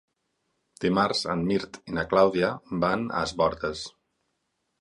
Dimarts en Mirt i na Clàudia van a Es Bòrdes.